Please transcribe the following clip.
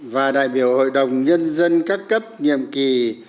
và đại biểu hội đồng nhân dân các cấp nhiệm kỳ hai nghìn hai mươi một hai nghìn hai mươi sáu